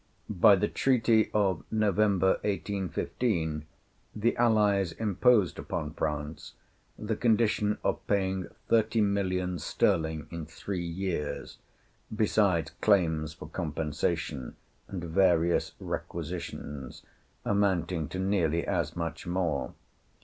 By the treaty of November, 1815, the allies imposed upon France the condition of paying thirty millions sterling in three years, besides claims for compensation and various requisitions, amounting to nearly as much more.